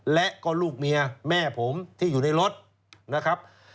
และก็ลูกเมียแม่ผมที่อยู่ในรถนะครับ